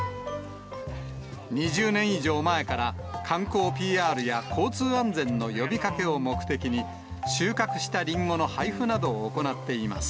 ２０年以上前から観光ＰＲや、交通安全の呼びかけを目的に、収穫したリンゴの配布などを行っています。